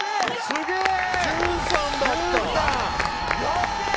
すげえ。